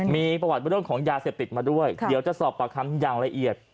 มีประวัติเรื่องของยาเสพติดมาด้วยเดี๋ยวจะสอบปากคำอย่างละเอียด